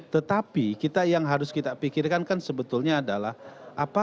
tetapi kita yang harus kita pikirkan kan sebetulnya adalah apakah saat ini pak erlangga bisa menjadi